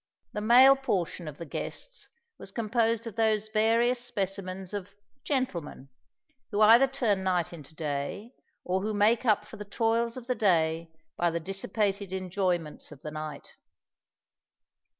The male portion of the guests was composed of those various specimens of "gentlemen" who either turn night into day, or who make up for the toils of the day by the dissipated enjoyments of the night.